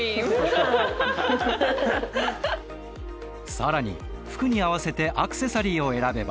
更に服に合わせてアクセサリーを選べば。